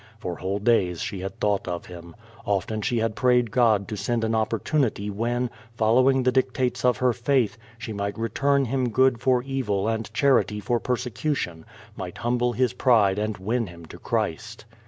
For whole days she had thought of him. Often had she prayed God to send an opportunity when, following the dictates of her faith, she might return him good for evil and charity for persecution, might humble his pride and win him to Christ.